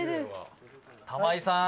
玉井さん